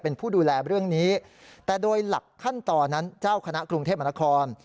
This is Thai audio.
เป็นผู้ดูแลเรื่องนี้แต่โดยหลักขั้นตอนนั้นเจ้าคณะกรุงเทพมนาคม